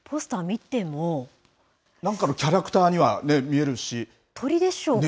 何かのキャラクターには鳥でしょうかね。